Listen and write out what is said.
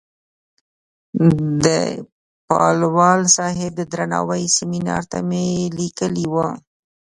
د پالوال صاحب د درناوۍ سیمینار ته مې لیکلې وه.